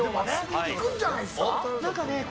いくんじゃないですか？